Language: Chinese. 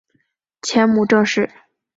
前母郑氏。